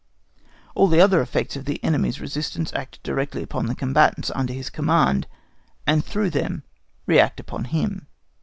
All the other effects of the enemy's resistance act directly upon the combatants under his command, and through them react upon him.